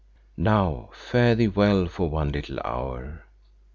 Now fare thee well for one little hour.